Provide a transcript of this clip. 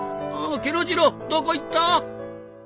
ケロ次郎どこ行った？